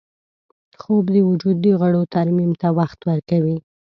خوب د وجود د غړو ترمیم ته وخت ورکوي